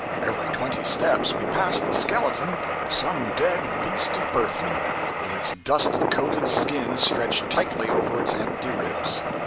Every twenty steps we passed the skeleton of some dead beast of burthen, with its dust coated skin stretched tightly over its empty ribs.